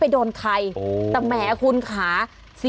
แต่เค